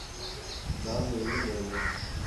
Navê wê Meryem e.